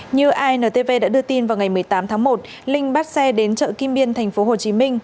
như intv đã đưa tin vào ngày một mươi tám tháng một linh bắt xe đến chợ kim biên tp hồ chí minh